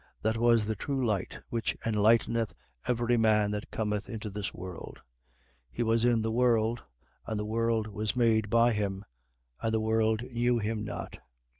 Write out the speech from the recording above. That was the true light, which enlighteneth every man that cometh into this world. 1:10. He was in the world: and the world was made by him: and the world knew him not.